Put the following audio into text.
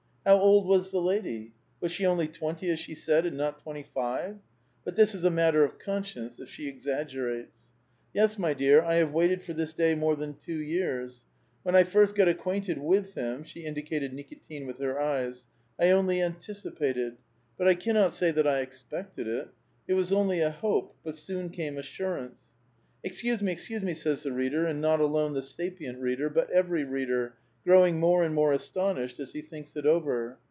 How old was the lady? Was she only twent}', as she said, and not twentj' five? but this is a matter of conscience if she exa^erates. "Yes, my dear, I have waited for this day more than two 3'ears. When I first got acquainted with him (she indi cated Nikitin with her eyes), I only anticipated; but I cannot say that I expected it. It was only a hope ; but soon came assurance." " Excuse me, excuse me," says the reader, and not alone the sapient reader, but every reader, growing more and more astonished as he thinks it over.